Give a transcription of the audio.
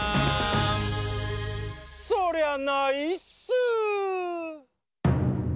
そりゃないっすー！